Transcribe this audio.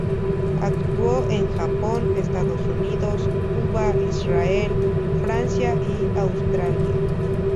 Actuó en Japón, Estados Unidos, Cuba, Israel, Francia y Australia.